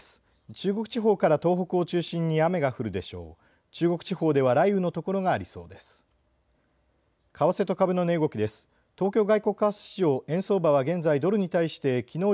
中国地方から東北を中心に雨が降るでしょう。